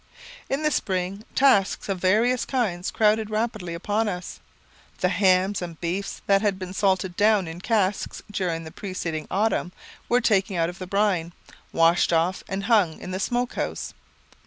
In the spring, tasks of various kinds crowded rapidly upon us. The hams and beef that had been salted down in casks during the preceding autumn were taken out of the brine, washed off, and hung in the smoke house.